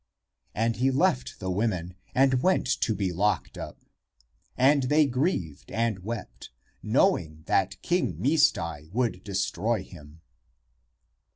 And he left the women and went to be locked up. And they grieved and wept, knowing that King Misdai would destroy him.